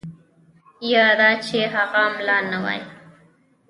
یا دا چې هغه ملا نه وای.